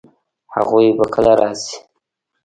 هغوی به کله راشي؟